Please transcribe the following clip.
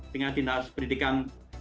dengan dinas pendidikan